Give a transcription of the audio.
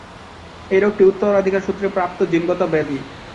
এই রোগটি উত্তরাধিকার সূত্রে প্রাপ্ত জিনগত ব্যাধি।